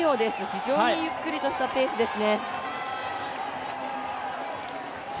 非常にゆっくりとしたペースです。